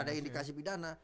ada indikasi pidana